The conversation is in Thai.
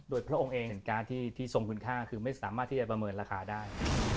โดยพระองค์เองเห็นการ์ดที่ทรงคุณค่าคือไม่สามารถที่จะประเมินราคาได้